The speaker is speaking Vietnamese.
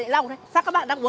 làm cái cậu thả nó vừa